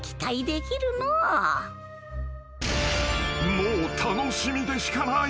［もう楽しみでしかない。